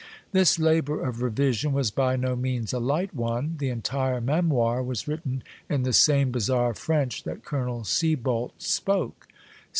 This labor of revision was by no means a light one. The entire Memoir was written in the same bizarre French that Colonel Sieboldt spoke.